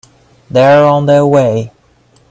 They're on their way.